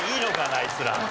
あいつら。